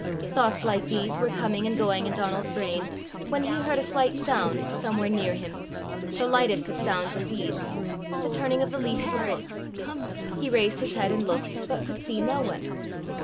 Thoughts like these were coming and going in Donal's brain, when he heard a slight sound somewhere near him the lightest of sounds indeed the turning of the leaf of a book. He raised his head and looked, but could see no one.